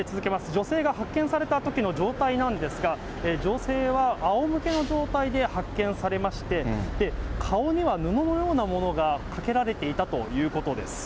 女性が発見されたときの状態なんですが、女性はあおむけの状態で発見されまして、顔には布のようなものがかけられていたということです。